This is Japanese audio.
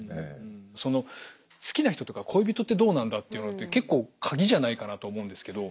その好きな人とか恋人ってどうなんだっていうのって結構鍵じゃないかなと思うんですけど。